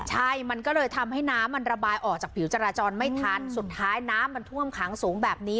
ใช่มันก็เลยทำให้น้ำมันระบายออกจากผิวจราจรไม่ทันสุดท้ายน้ำมันท่วมขังสูงแบบนี้